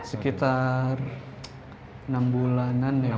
sekitar enam bulanan ya